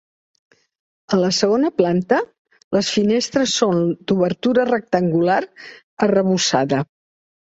A la segona planta, les finestres són d'obertura rectangular arrebossada.